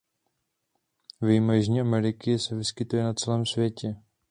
Vyjma jižní Ameriky se vyskytuje na celém světě.